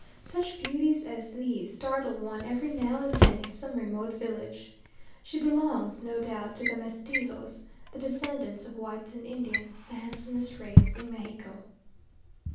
Such beauties as these startle one every now and then in some remote village. She belongs, no doubt, to the mestizos the descendants of whites and Indians, the handsomest race in Mexico.